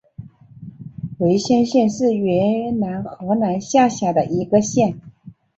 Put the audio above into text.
维先县是越南河南省下辖的一个县。